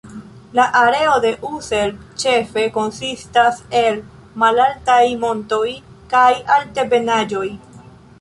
La areo de Ussel ĉefe konsistas el malaltaj montoj kaj altebenaĵoj.